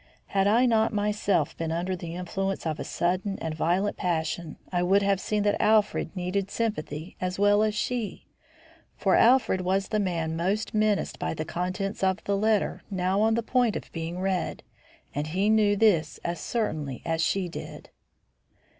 Had I not myself been under the influence of a sudden and violent passion, I would have seen that Alfred needed sympathy as well as she; for Alfred was the man most menaced by the contents of the letter now on the point of being read; and he knew this as certainly as she did.